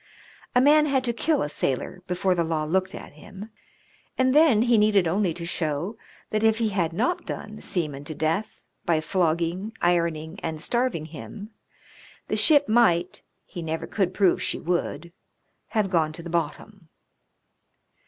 A man had to kill a sailor before 120 MARINE PUNISHMENTS. the law looked at him; and then he needed only to show that if he had not done the seaman to death by flogging, ironing, and starving him, the ship might — ^he never could prove she would — have gone to the bottom.